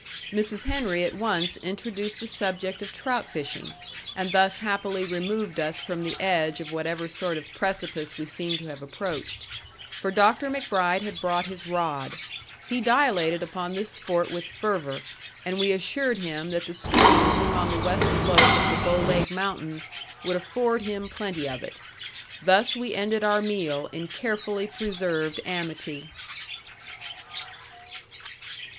Mrs. Henry at once introduced the subject of trout fishing, and thus happily removed us from the edge of whatever sort of precipice we seemed to have approached; for Dr. MacBride had brought his rod. He dilated upon this sport with fervor, and we assured him that the streams upon the west slope of the Bow Leg Mountains would afford him plenty of it. Thus we ended our meal in carefully preserved amity.